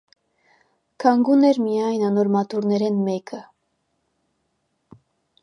Կանգուն էր միայն անոր մատուռներէն մէկը։